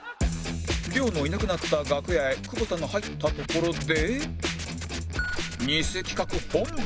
亮のいなくなった楽屋へ久保田が入ったところで偽企画本番！